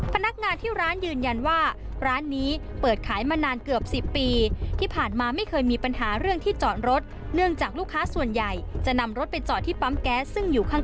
พนักงานที่ร้านยืนยันว่าร้านนี้เปิดขายมานานเกือบ๑๐ปีที่ผ่านมาไม่เคยมีปัญหาเรื่องที่จอดรถเนื่องจากลูกค้าส่วนใหญ่จะนำรถไปจอดที่ปั๊มแก๊สซึ่งอยู่ข้าง